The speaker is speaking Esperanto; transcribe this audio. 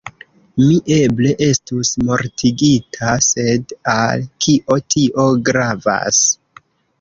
Mi eble estus mortigita, sed al kio tio gravas.